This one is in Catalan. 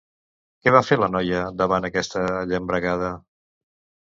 Què va fer, la noia, davant aquesta llambregada?